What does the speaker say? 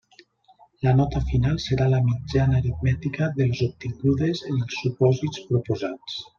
La nota final serà la mitjana aritmètica de les obtingudes en els supòsits proposats.